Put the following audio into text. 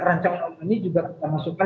rancangan ini juga kita masukkan